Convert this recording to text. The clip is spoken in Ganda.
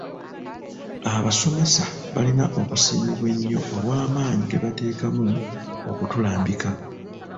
Abasomesa balina okusiimibwa ennyo olw'amaanyi ge bateekamu okutulambika.